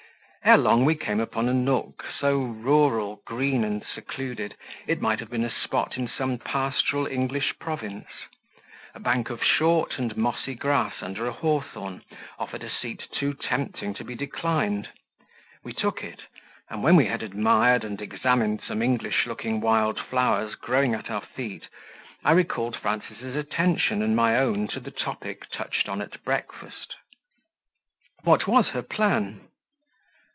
Ere long we came upon a nook, so rural, green, and secluded, it might have been a spot in some pastoral English province; a bank of short and mossy grass, under a hawthorn, offered a seat too tempting to be declined; we took it, and when we had admired and examined some English looking wild flowers growing at our feet, I recalled Frances' attention and my own to the topic touched on at breakfast. "What was her plan?"